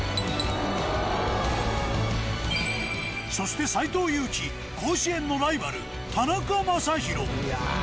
そして斎藤佑樹甲子園のライバル田中将大。